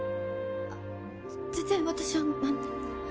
あっ全然私は何にも。